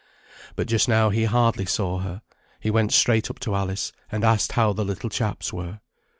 But just now he hardly saw her; he went straight up to Alice, and asked how the little chaps were.